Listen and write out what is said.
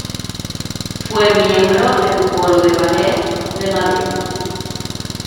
Fue miembro del coro de ballet de Madrid.